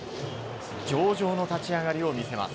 上々の立ち上がりを見せます。